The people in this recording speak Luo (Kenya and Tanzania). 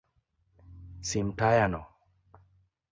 Sim tayano.